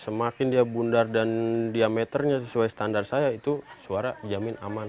semakin dia bundar dan diameternya sesuai standar saya itu suara jamin aman